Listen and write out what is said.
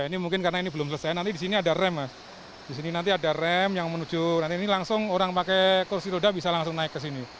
ini mungkin karena ini belum selesai nanti di sini ada rem mas di sini nanti ada rem yang menuju nanti ini langsung orang pakai kursi roda bisa langsung naik ke sini